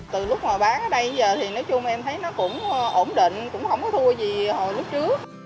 từ lúc mà bán ở đây giờ thì nói chung em thấy nó cũng ổn định cũng không có thua gì hồi lúc trước